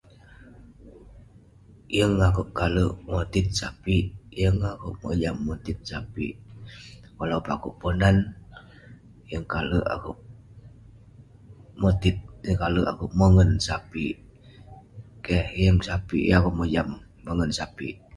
yeng akouk kalek motit sapik, yeng akouk mojam motit sapik, walaupun akouk ponan, yeng kalek akouk motit, yeng kalek akouk mongen sapik..keh, yeng sapik.. yeng akouk mojam mongen sapik